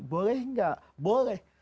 boleh gak boleh